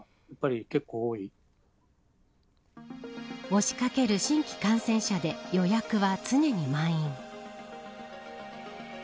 押しかける新規感染者で予約は常に満員。